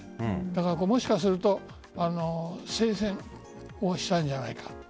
だから、もしかすると聖戦をしたんじゃないかと。